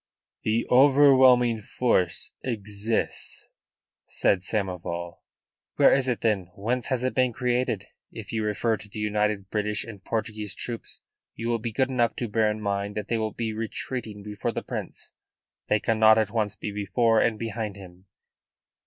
"The overwhelming force exists," said Samoval. "Where is it then? Whence has it been created? If you refer to the united British and Portuguese troops, you will be good enough to bear in mind that they will be retreating before the Prince. They cannot at once be before and behind him."